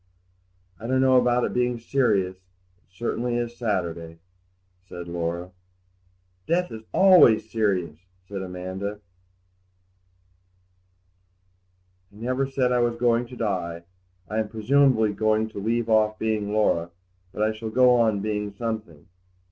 "I don't know about it being serious; it is certainly Saturday," said Laura. "Death is always serious," said Amanda. "I never said I was going to die. I am presumably going to leave off being Laura, but I shall go on being something.